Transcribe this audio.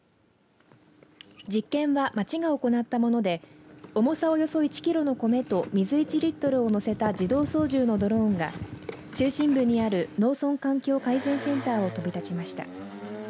実験は町が行ったもので重さおよそ１キロの米と水１リットルを載せた自動操縦のドローンが中心部にある農村環境改善センターを飛び立ちました。